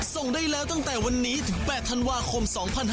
ส่งได้แล้วตั้งแต่วันนี้ถึง๘ธันวาคม๒๕๕๙